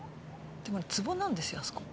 でもツボなんですよあそこ。